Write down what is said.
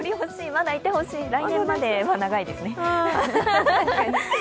まだいてほしい、来年までは長いですね。